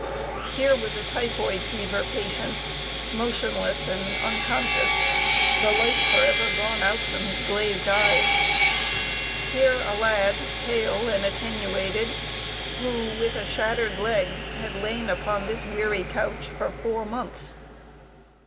Here was a typhoid fever patient, motionless and unconscious, the light forever gone out from his glazed eyes; here a lad, pale and attenuated, who, with a shattered leg, had lain upon this weary couch for four months.